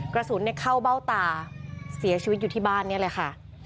กระสุนเข้าเบ้าตาเสียชีวิตอยู่ที่บ้านนี้เลยค่ะ